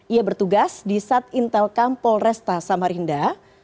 ia bertugas di sat intel kampol resta samarinda